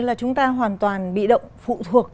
là chúng ta hoàn toàn bị động phụ thuộc